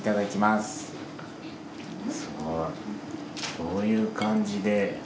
すごいこういう感じで。